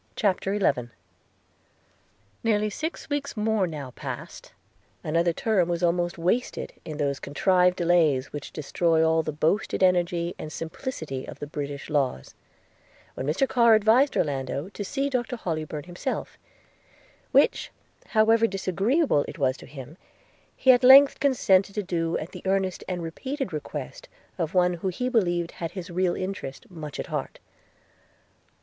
CHAPTER XI NEARLY six weeks more now passed; another Term was almost wasted in those contrived delays which destroy all the boasted energy and simplicity of the British laws; when Mr Carr advised Orlando to see Dr Hollybourn himself; which, however disagreeable it was to him, he at length consented to do, at the earnest and repeated request of one who he believed had his real interest much at heart.